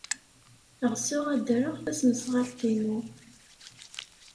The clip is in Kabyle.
Ɣseɣ ad d-rreɣ tasnasɣalt-inu.